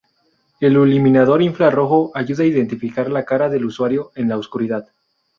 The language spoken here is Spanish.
El iluminador infrarrojo ayuda a identificar la cara del usuario en la oscuridad.